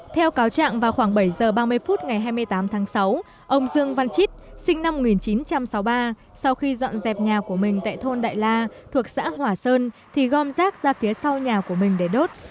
theo cáo trạng vào khoảng bảy h ba mươi phút ngày hai mươi tám tháng sáu ông dương văn chít sinh năm một nghìn chín trăm sáu mươi ba sau khi dọn dẹp nhà của mình tại thôn đại la thuộc xã hòa sơn thì gom rác ra phía sau nhà của mình để đốt